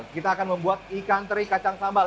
kita akan membuat ikan teri kacang sambal